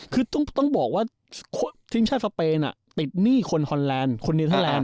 คือต้องบอกว่าทีมชาติสเปนติดหนี้คนฮอนแลนด์คนเนเทอร์แลนด